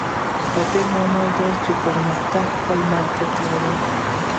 د دې معنا دا ده چې پرمختګ خپل منطق لري.